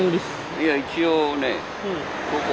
いや一応ね